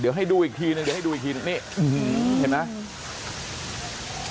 เดี๋ยวให้ดูอีกทีหนึ่งนี่เห็นมั้ย